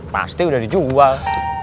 pasti udah dijual